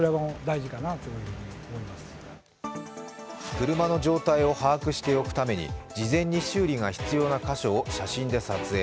車の状態を把握しておくために事前に修理が必要な箇所を写真で撮影。